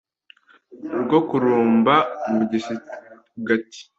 rwo kururumba mu bisigati